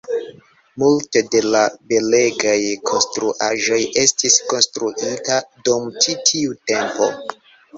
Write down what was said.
Multo de la belegaj konstruaĵoj estis konstruita dum ĉi tiu tempo.